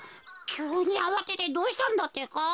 きゅうにあわててどうしたんだってか？